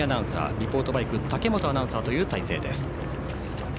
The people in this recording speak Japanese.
リポートバイクは武本アナウンサーという体制です。